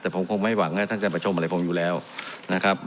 แต่ผมคงไม่หวังว่าท่านจะมาชมอะไรผมอยู่แล้วนะครับ